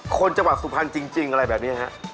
คนจังหวังสุภัณฑ์จริงอะไรแบบนี้ล่ะครับ